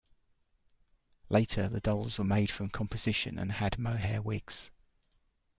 Later the dolls were made from composition and had mohair wigs.